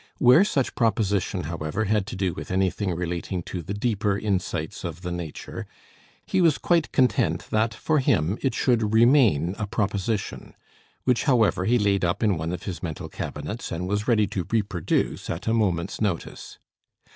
Where such proposition, however, had to do with anything relating to the deeper insights of the nature, he was quite content that, for him, it should remain a proposition; which, however, he laid up in one of his mental cabinets, and was ready to reproduce at a moment's notice.